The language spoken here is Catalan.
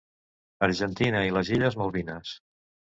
Argentina i les illes Malvines.